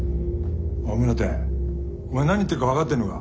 おい宗手お前何言ってるか分かってんのか？